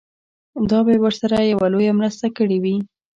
دا به يې ورسره يوه لويه مرسته کړې وي.